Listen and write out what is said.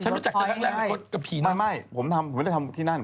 ฉันรู้จักกันแรกคนกับผีนั่นหรอไม่ผมทำผมไม่ได้ทำที่นั่น